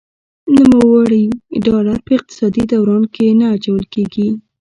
نوموړي ډالر په اقتصادي دوران کې نه اچول کیږي.